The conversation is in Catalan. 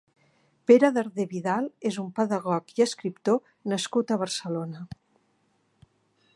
Pere Darder Vidal és un pedagog i escriptor nascut a Barcelona.